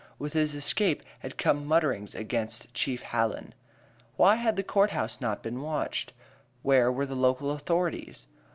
With his escape had come mutterings against Chief Hallen. Why had the court house not been watched? Where were the local authorities?